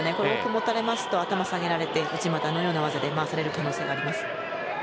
持たれますと頭を下げられて内股のような技で回される可能性があります。